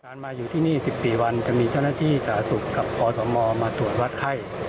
มาอยู่ที่นี่๑๔วันจะมีเจ้าหน้าที่สาธารณสุขกับอสมมาตรวจวัดไข้